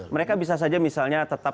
mereka bisa saja misalnya tetap